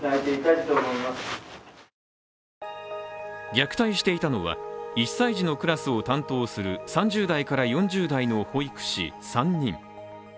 虐待していたのは１歳児のクラスを担当する３０代から４０代の保育士３人。